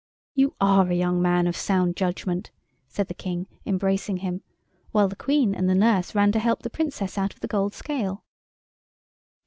"You are a young man of sound judgment," said the King, embracing him, while the Queen and the nurse ran to help the Princess out of the gold scale.